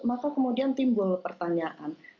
maka kemudian timbul pertanyaan